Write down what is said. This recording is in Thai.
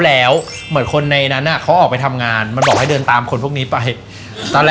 แล้วจะกลับยังไงเราจำทางไม่ได้